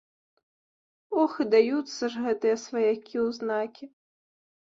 Ох, і даюцца ж гэтыя сваякі ў знакі.